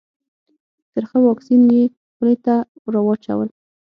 ترخه واکسین یې خولې ته راواچول.